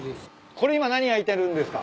これ今何焼いてるんですか？